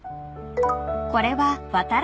［これは］